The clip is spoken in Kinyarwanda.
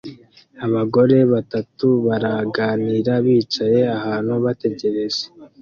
Abagore batatu baraganira bicaye ahantu bategereje